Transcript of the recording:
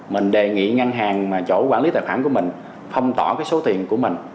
mình đề nghị ngân hàng chủ quản lý tài khoản của mình phong tỏ cái số tiền của mình